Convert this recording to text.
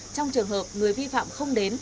trong trường hợp người vi phạm không đến